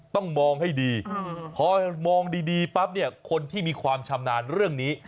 ต้องมองให้ดีพอมองดีปั๊บเนี่ยคนที่มีความชำนาญเรื่องนี้